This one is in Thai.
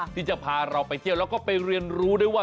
ที่จะพาเราไปเที่ยวแล้วก็ไปเรียนรู้ได้ว่า